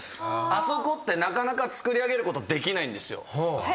あそこってなかなかつくり上げることできないんですよ。